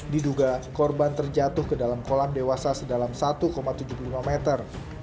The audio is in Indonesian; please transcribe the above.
diduga korban terjatuh ke dalam kolam dewasa sedalam satu tujuh puluh lima meter